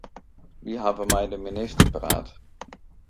Wy hawwe mei de minister praat.